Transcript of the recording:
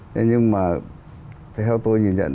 thế nhưng mà theo tôi nhìn nhận